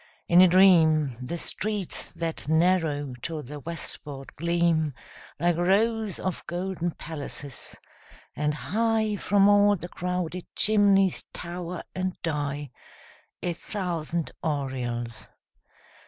In a dream The streets that narrow to the westward gleam Like rows of golden palaces; and high From all the crowded chimneys tower and die A thousand aureoles.